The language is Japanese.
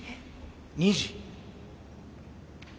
２時？